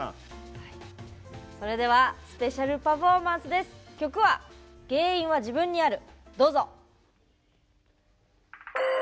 それではスペシャルパフォーマンス曲は「原因は自分にある。」。